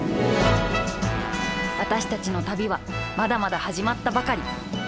私たちの旅はまだまだはじまったばかり。